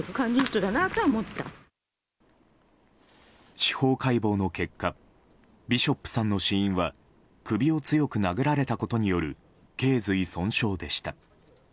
司法解剖の結果ビショップさんの死因は首を強く殴られたことによる頸髄損傷でした。